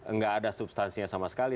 nggak ada substansinya sama sekali